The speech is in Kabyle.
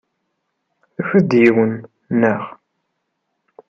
Tufiḍ-d yiwen, naɣ?